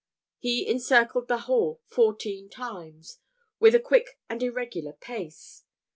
He encircled the hall fourteen times, with a quick and irregular pace.